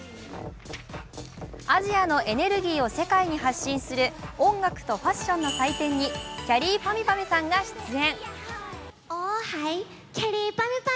アジアのエネルギーを世界に発信する音楽とファッションの祭典にきゃりーぱみゅぱみゅさんが出演。